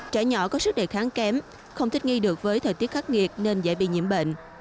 trẻ nhỏ có sức đề kháng kém không thích nghi được với thời tiết khắc nghiệt nên dễ bị nhiễm bệnh